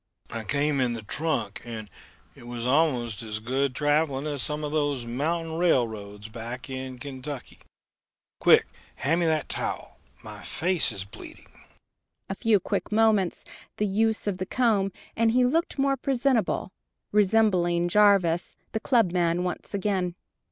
"I came in the trunk and it was almost as good traveling as some of those mountain railroads back in Kentucky. Quick, hand me that towel my face is bleeding." A few quick movements, the use of the comb, and he looked more presentable, resembling Jarvis the clubman once again.